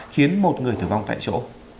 khiến một người tử vong tại chỗ